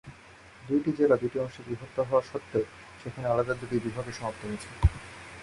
দুইটি জেলা দুই অংশে বিভক্ত হওয়া সত্ত্বেও সেগুলো আলাদা দুটি বিভাগে সমাপ্ত হয়েছে।